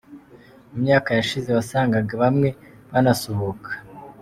Mu myaka yashize wasangaga bamwe banasuhuka.